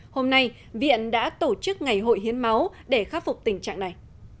hôm nay viện đã tổ chức ngày hội hiến máu để khắc phục tình trạng này